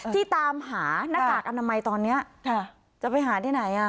ที่ตามหาหน้ากากอนามัยตอนนี้จะไปหาที่ไหน